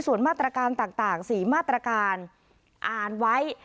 ส่วนมาตรการต่าง๔มาตรการอ่านไว้